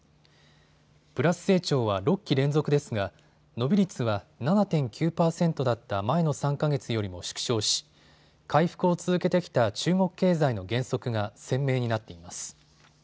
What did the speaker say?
プラス成長は６期連続ですが伸び率は７．９％だった前の３か月よりも縮小し回復を続けてきた中国経済の減速が鮮明になっています。